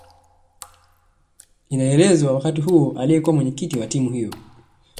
Inaelezwa wakati huo aliyekuwa Mwenyekiti wa timu hiyo